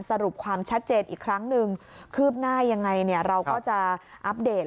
สรุปความชัดเจนอีกครั้งหนึ่งคืบหน้ายังไงเราก็จะอัปเดต